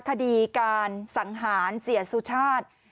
คดีการสังหารเสียสุชาติ